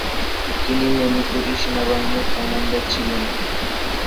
তিনি মণিপুরী সেনাবাহিনীর কমান্ডার ছিলেন।